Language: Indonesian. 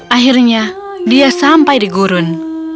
akhirnya dia sampai di gurun